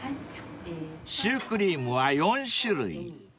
［シュークリームは４種類］